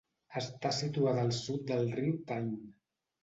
Esta situada al sud del riu Tyne.